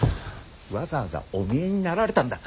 わざわざお見えになられたんだ。